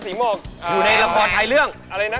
อยู่ในละครไทยเรื่อง